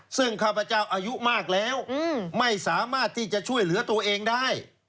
ซึ่งข้าพเจ้าอายุมากแล้วไม่สามารถที่จะช่วยเหลือตัวเองได้